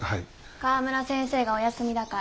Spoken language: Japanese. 川村先生がお休みだから。